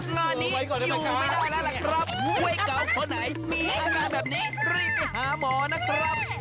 ด้วยเก่าคนไหนมีมาหาการแบบนี้รีบไปหาหมอนะครับ